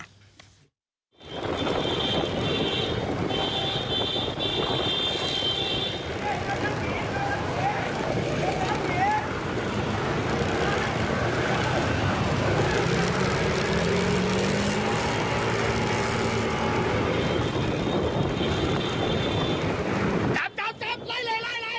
จับจับจับไล่ไล่ไล่ไล่ไล่